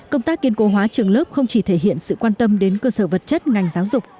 công tác kiên cố hóa trường lớp không chỉ thể hiện sự quan tâm đến cơ sở vật chất ngành giáo dục